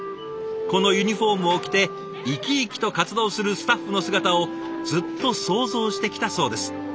このユニフォームを着て生き生きと活動するスタッフの姿をずっと想像してきたそうです。